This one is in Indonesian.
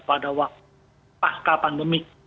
pada waktu pasca pandemik